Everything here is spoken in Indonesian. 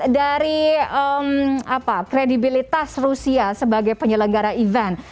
dari kredibilitas rusia sebagai penyelenggara event